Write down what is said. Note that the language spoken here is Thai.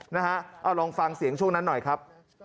นะฮะเอาลองฟังเสียงช่วงนั้นหน่อยครับ